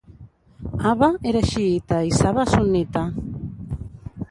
Aba era xiïta i Sava sunnita.